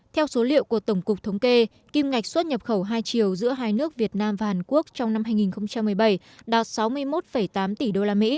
theo số liệu của tổng cục thống kê kim ngạch xuất nhập khẩu hai chiều giữa hai nước việt nam và hàn quốc trong năm hai nghìn một mươi bảy đạt sáu mươi một tám tỷ usd